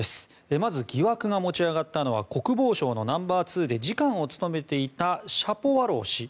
まず疑惑が持ち上がったのが国防省のナンバーツーで次官を務めていたシャポワロウ氏。